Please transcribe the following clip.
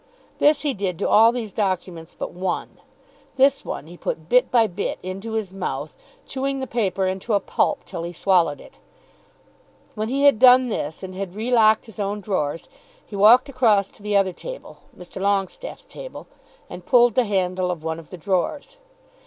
This he did to all these documents but one. This one he put bit by bit into his mouth, chewing the paper into a pulp till he swallowed it. When he had done this, and had re locked his own drawers, he walked across to the other table, Mr. Longestaffe's table, and pulled the handle of one of the drawers.